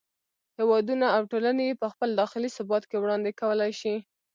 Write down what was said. هېوادونه او ټولنې یې په خپل داخلي ثبات کې وړاندې کولای شي.